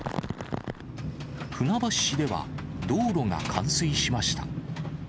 船橋市では道路が冠水しました。